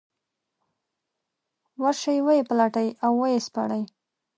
ورشي ویې پلټي او ويې سپړي.